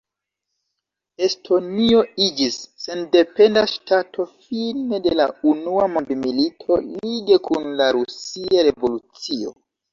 Estonio iĝis sendependa ŝtato fine de la unua mondmilito, lige kun la Rusia revolucio.